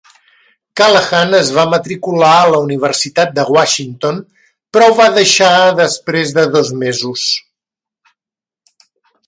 Callahan es va matricular a la Universitat de Washington, però ho va deixar després de dos mesos.